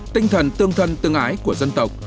tinh thần tương thân tương ái của dân tộc